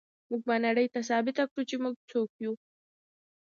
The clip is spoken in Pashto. موږ به نړۍ ته ثابته کړو چې موږ څوک یو.